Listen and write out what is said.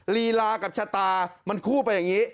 ลีลากับชะตามันคู่ไปอย่างนี้